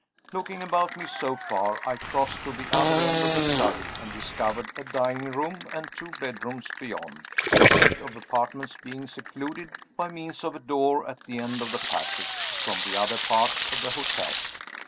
Looking about me, so far, I crossed to the other end of the study, and discovered a dining room and two bedrooms beyond the set of apartments being secluded, by means of a door at the end of the passage, from the other parts of the hotel.